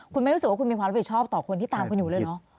คุณไม่รู้สึกว่าคุณมีความรับผิดชอบต่อคนที่ตามคุณอยู่เลยเนอะ